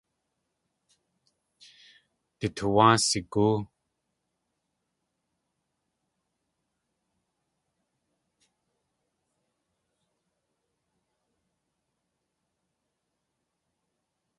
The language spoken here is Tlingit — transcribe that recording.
Du tuwáa sigóo.